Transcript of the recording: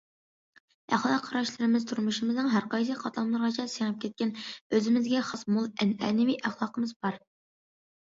ئەخلاق قاراشلىرىمىز تۇرمۇشىمىزنىڭ ھەرقايسى قاتلاملىرىغىچە سىڭىپ كەتكەن، ئۆزىمىزگە خاس مول ئەنئەنىۋى ئەخلاقىمىز بار.